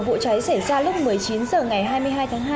vụ cháy xảy ra lúc một mươi chín h ngày hai mươi hai tháng hai